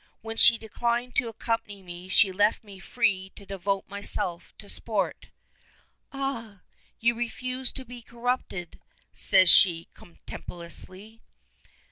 When she declined to accompany me she left me free to devote myself to sport." "Ah! you refuse to be corrupted?" says she, contemptuously.